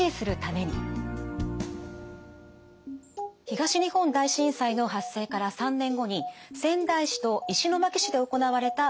東日本大震災の発生から３年後に仙台市と石巻市で行われた調査の結果です。